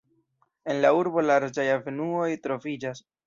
En la urbo larĝaj avenuoj troviĝas.